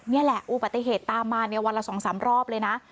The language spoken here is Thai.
นี่แหละอุบัติเหตุตามมาเนี่ยวันละ๒๓รอบเลยนะ